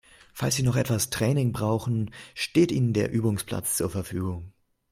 Falls Sie noch etwas Training brauchen, steht Ihnen der Übungsplatz zur Verfügung.